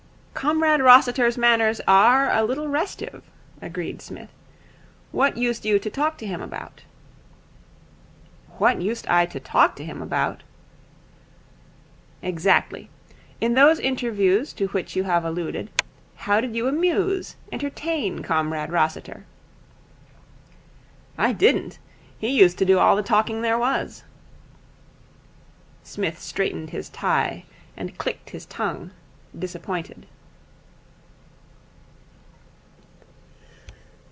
'Comrade Rossiter's manners are a little restive,' agreed Psmith. 'What used you to talk to him about?' 'What used I to talk to him about?' 'Exactly. In those interviews to which you have alluded, how did you amuse, entertain Comrade Rossiter?' 'I didn't. He used to do all the talking there was.' Psmith straightened his tie, and clicked his tongue, disappointed.